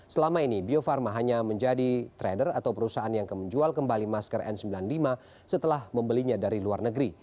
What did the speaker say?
selama ini bio farma hanya menjadi trader atau perusahaan yang menjual kembali masker n sembilan puluh lima setelah membelinya dari luar negeri